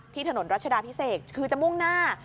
ถนนรัชดาพิเศษคือจะมุ่งหน้า